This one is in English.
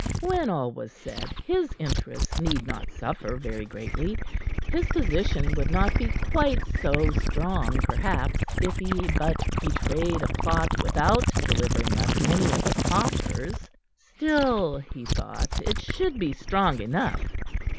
When all was said, his interests need not suffer very greatly. His position would not be quite so strong, perhaps, if he but betrayed a plot without delivering up any of the plotters; still, he thought, it should be strong enough.